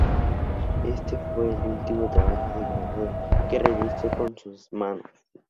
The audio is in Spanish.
Este fue el último trabajo de grabado que realizó con sus manos.